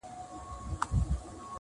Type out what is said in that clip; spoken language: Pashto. تا خو جهاني د سباوون په تمه ستړي کړو!!